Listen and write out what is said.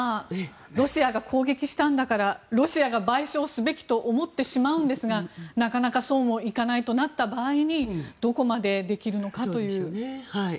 ロシアが攻撃したんだからロシアが賠償すべきと思ってしまうんですがなかなかそうもいかないとなった場合にどこまでできるのかという。